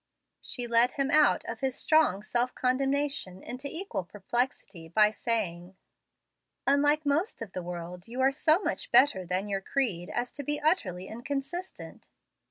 She led him out of his strong self condemnation into equal perplexity, by saying, "Unlike most of the world, you are so much better than your creed as to be utterly inconsistent."